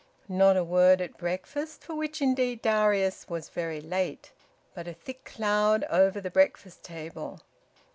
Not a word at breakfast, for which indeed Darius was very late. But a thick cloud over the breakfast table!